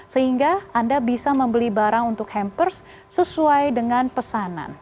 sehingga anda bisa membeli barang untuk hampers sesuai dengan pesanan